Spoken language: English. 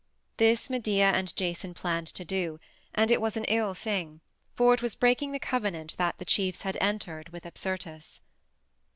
This Medea and Jason planned to do, and it was an ill thing, for it was breaking the covenant that the chiefs had entered with Apsyrtus.